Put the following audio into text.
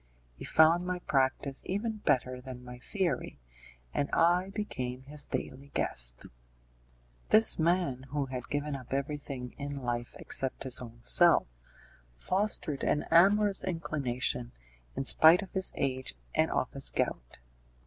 He found my practice even better than my theory, and I became his daily guest. This man, who had given up everything in life except his own self, fostered an amorous inclination, in spite of his age and of his gout.